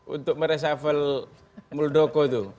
untuk meresafel muldoko itu